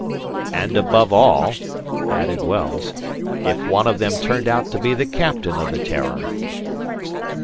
"And above all," added Wells, "if one of them turned out to be the captain of the 'Terror!